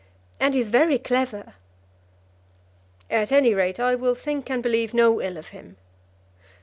And he is very clever." "At any rate I will think and believe no ill of him."